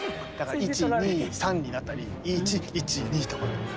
１２３になったり１１２とか。